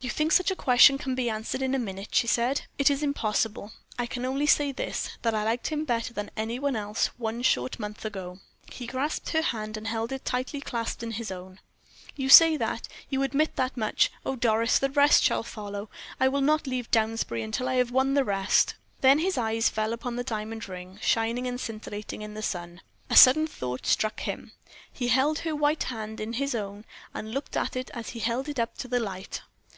"You think such a question can be answered in a minute," she said. "It is impossible. I can only say this, that I liked him better than any one else one short month ago." He grasped her hand and held it tightly clasped in his own. "You say that you admit that much! Oh, Doris, the rest shall follow. I will not leave Downsbury until I have won the rest." Then his eyes fell upon the diamond ring, shining and scintillating in the sun. A sudden thought struck him: he held her white hand in his own, and looked at it as he held it up to the light.